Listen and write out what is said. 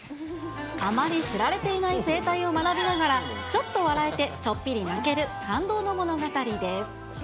あまり知られていない生態を学びながら、ちょっと笑えてちょっぴり泣ける感動の物語です。